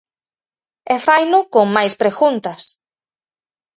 E faino con máis preguntas.